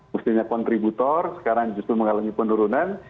mestinya kontributor sekarang justru mengalami penurunan